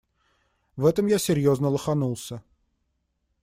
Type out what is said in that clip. В этом я серьёзно лоханулся.